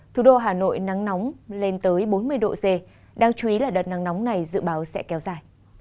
thủ đô hà nội nắng nóng lên tới bốn mươi độ c đáng chú ý là đợt nắng nóng này dự báo sẽ kéo dài